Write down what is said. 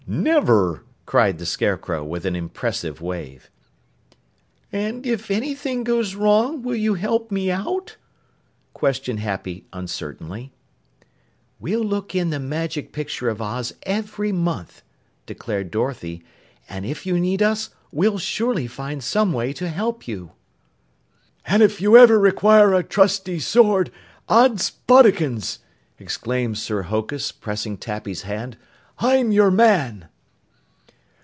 "Never!" cried the Scarecrow with an impressive wave. "And if anything goes wrong, will you help me out?" questioned Happy uncertainly. "We'll look in the Magic Picture of Oz every month," declared Dorothy, "and if you need us we'll surely find some way to help you." "An' you ever require a trusty sword, Odds Bodikins!" exclaimed Sir Hokus, pressing Tappy's hand, "I'm your man!"